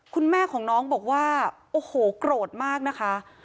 คุณแม่ของน้องบอกว่าโอ้โหโกรธมากนะคะ